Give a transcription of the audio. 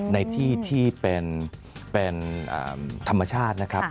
ในที่ที่เป็นธรรมชาตินะครับ